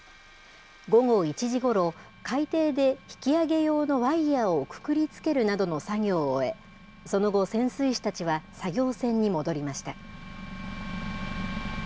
午後１時ごろ、海底で引き揚げ用のワイヤーをくくりつけるなどの作業を終え、その後、潜水士たちは作業船に戻りました。